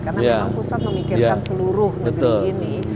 karena memang pusat memikirkan seluruh negeri ini